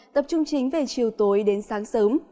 tập trung chính về chiều tối đến sáng sớm